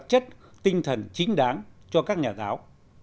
chất tinh thần chính đáng cho các nhà giáo